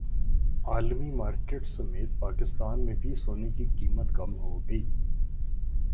عالمی مارکیٹ سمیت پاکستان میں بھی سونے کی قیمت کم ہوگئی